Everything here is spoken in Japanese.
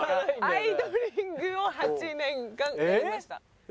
アイドリング！！！を８年間やりました。